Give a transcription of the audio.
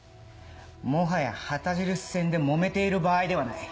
もはや旗印戦でもめている場合ではない。